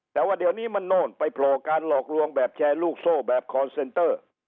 แต่ว่าเดี๋ยวนี้มันโน่นไปโผล่การหลอกลวงแบบแชร์ลูกโซ่แบบคอนเซนเตอร์